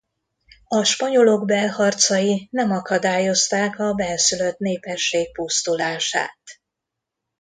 A spanyolok belharcai nem akadályozták a bennszülött népesség pusztulását.